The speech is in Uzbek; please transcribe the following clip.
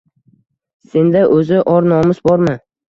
Senda oʻzi or-nomus bormi